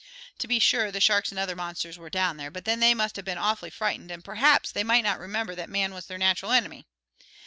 To be sure, the sharks and other monsters were down there, but then they must have been awfully frightened, and perhaps they might not remember that man was their nat'ral enemy.